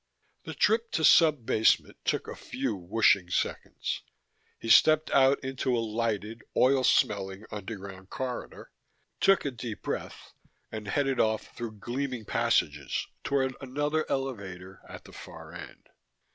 The trip to Sub basement took a few whooshing seconds. He stepped out into a lighted, oil smelling underground corridor, took a deep breath and headed off through gleaming passages toward another elevator at the far end.